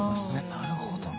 なるほど。